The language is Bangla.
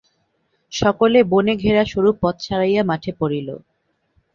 সকলে বনে ঘেরা সরু পথ ছাড়াইয়া মাঠে পড়িল।